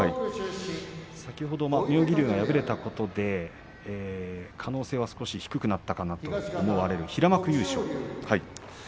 先ほど、妙義龍が敗れたことで可能性は少し低くなったかなと思われる平幕優勝ですね。